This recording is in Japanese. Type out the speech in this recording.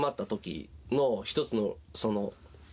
１つのその。